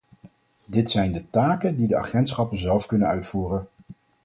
Dit zijn de taken die de agentschappen zelf kunnen uitvoeren.